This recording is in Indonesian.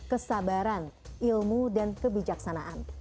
kesabaran ilmu dan kebijaksanaan